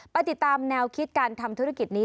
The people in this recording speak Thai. ไปติดตามแนวคิดการทำธุรกิจนี้